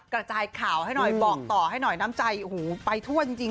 กระจายข่าวให้หน่อยบอกต่อให้หน่อยน้ำใจโอ้โหไปทั่วจริง